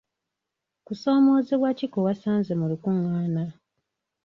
Kusoomozebwa ki kwe wasanze mu lukungaana?